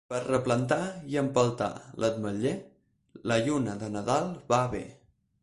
Per replantar i empeltar l'ametller la lluna de Nadal va bé.